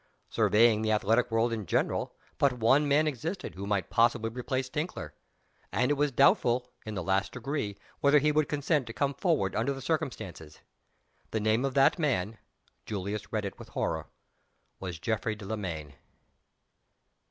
Surveying the athletic world in general, but one man existed who might possibly replace "Tinkler" and it was doubtful, in the last degree, whether he would consent to come forward under the circumstances. The name of that man Julius read it with horror was Geoffrey Delamayn.